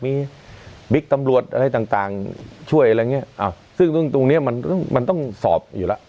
มีบิ๊กตำรวจอะไรต่างต่างช่วยอะไรอย่างเงี้ซึ่งตรงเนี้ยมันต้องมันต้องสอบอยู่แล้ว